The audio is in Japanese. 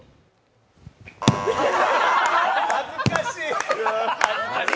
恥ずかしい！